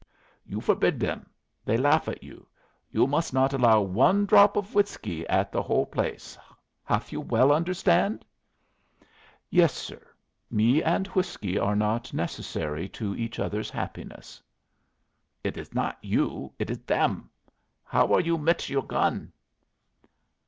You forbid them, they laugh at you. You must not allow one drop of whiskey at the whole place. Haf you well understand?" "Yes, sir. Me and whiskey are not necessary to each other's happiness." "It is not you, it is them. How are you mit your gun?"